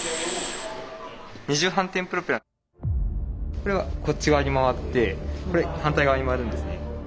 これがこっち側に回ってこれ反対側に回るんですね。